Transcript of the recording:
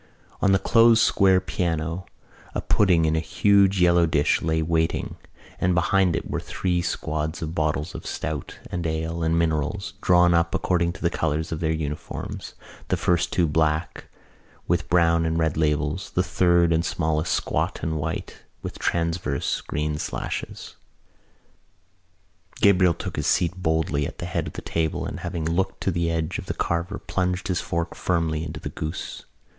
On the closed square piano a pudding in a huge yellow dish lay in waiting and behind it were three squads of bottles of stout and ale and minerals, drawn up according to the colours of their uniforms, the first two black, with brown and red labels, the third and smallest squad white, with transverse green sashes. Gabriel took his seat boldly at the head of the table and, having looked to the edge of the carver, plunged his fork firmly into the goose.